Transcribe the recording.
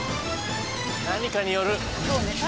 何かによる。